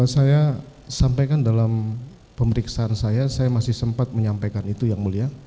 saya sampaikan dalam pemeriksaan saya saya masih sempat menyampaikan itu yang mulia